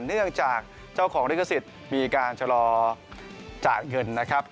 เนื่องจากเจ้าของลิขสิทธิ์มีการชะลอจ่ายเงินนะครับ